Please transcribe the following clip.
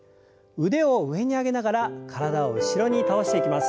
腕を上に上げながら体を後ろに倒していきます。